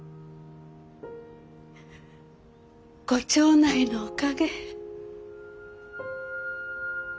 ご町内のおかげ。